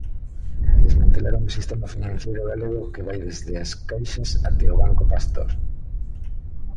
Desmantelaron o sistema financeiro galego, que vai desde as caixas até o Banco Pastor.